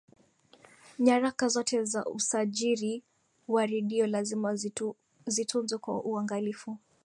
nyaraka zote za usajiri wa redio lazima zitunzwe kwa uangalifu